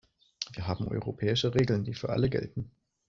Wir haben europäische Regeln, die für alle gelten.